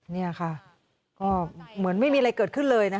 นี่ค่ะก็เหมือนไม่มีอะไรเกิดขึ้นเลยนะคะ